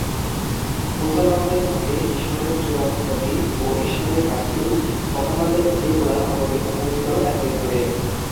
মুসলমানদের মতে ঈশ্বরের চূড়ান্ত নবী ও ঈশ্বরের রাসূল মুহাম্মাদের প্রতি কুরআন অবতীর্ণ হয়েছিল একইভাবে।